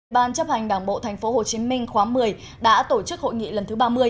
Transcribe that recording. ban chấp hành đảng bộ tp hcm khóa một mươi đã tổ chức hội nghị lần thứ ba mươi